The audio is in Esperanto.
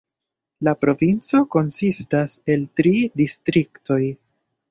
La provinco konsistas el tri distriktoj.